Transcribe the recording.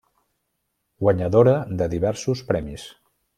Guanyadora de diversos premis.